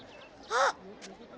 あっ。